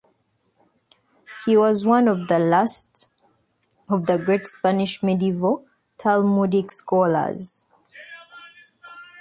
He was one of the last of the great Spanish medieval talmudic scholars.